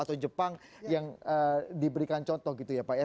atau jepang yang diberikan contoh gitu ya pak ya